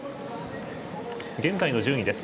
現在の順位です。